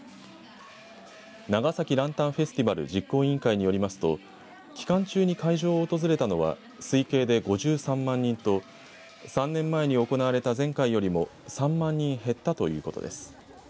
長崎ランタンフェスティバル実行委員会によりますと期間中に会場を訪れたのは推計で５３万人と３年前に行われた前回よりも３万人減ったということです。